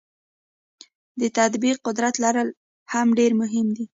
د تطبیق قدرت لرل هم ډیر مهم دي.